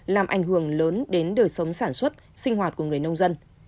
làm ảnh hưởng lớn đến đời sống sản xuất sinh hoạt của người nông dân